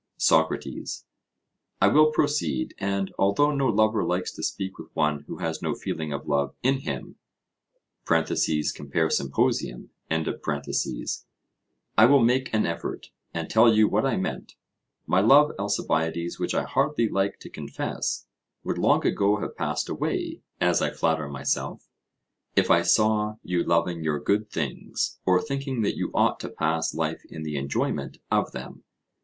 SOCRATES: I will proceed; and, although no lover likes to speak with one who has no feeling of love in him (compare Symp.), I will make an effort, and tell you what I meant: My love, Alcibiades, which I hardly like to confess, would long ago have passed away, as I flatter myself, if I saw you loving your good things, or thinking that you ought to pass life in the enjoyment of them.